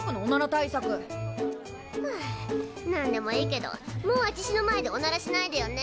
はあなんでもいいけどもうあちしの前でおならしないでよね。